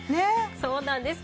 そうなんです。